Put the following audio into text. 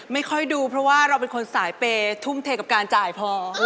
ไม่ค่อยดูเพราะว่าเราเป็นคนสายเปย์ทุ่มเทกับการจ่ายพอ